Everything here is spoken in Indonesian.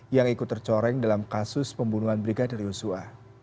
yang ikut tercoreng dalam kasus pembunuhan brigadir yosua